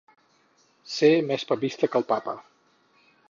Ser més papista que el papa.